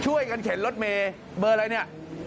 ช่วยกันเข็นรถเมย์เบอร์อะไรนี่